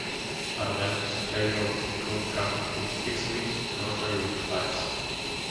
Unmanned aerial vehicles come in both fixed-wing and rotary-wing types.